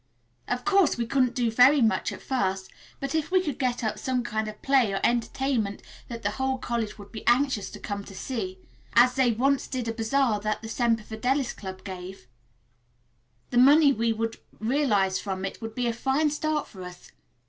Of course we couldn't do very much at first, but if we could get up some kind of play or entertainment that the whole college would be anxious to come to see, as they once did a bazaar that the Semper Fidelis Club gave, the money we would realize from it would be a fine start for us.